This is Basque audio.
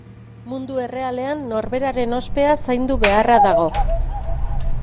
Mundu errealean norberaren ospea zaindu beharra dago.